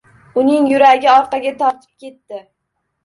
Uni yuragi orqaga tortib ketdi.